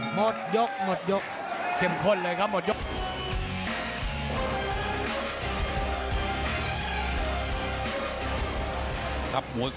หมดยกหมดยกเข้มข้นเลยครับหมดยก